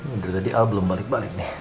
udah tadi al belum balik balik nih